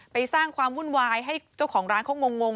สร้างความวุ่นวายให้เจ้าของร้านเขางง